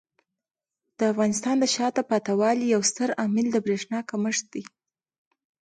د افغانستان د شاته پاتې والي یو ستر عامل د برېښنا کمښت دی.